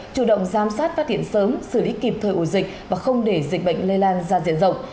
chủ động giám sát phát hiện sớm xử lý kịp thời ổ dịch và không để dịch bệnh lây lan ra diện rộng